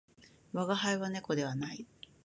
我が輩は猫ではない